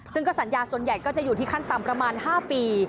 ซึ่งก็สัญญาส่วนใหญ่ก็จะอยู่ที่ขั้นต่ำประมาณ๕ปี